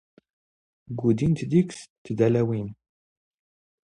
ⴳⴳⵓⴷⵉⵏⵜ ⴷⵉⴳⵙ ⵜⴷⴰⵍⴰⵡⵉⵏ.